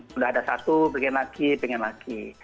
sudah ada satu pengen lagi pengen lagi